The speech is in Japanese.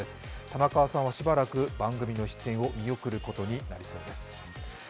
玉川さんはしばらく番組の出演を見送ることになりそうです。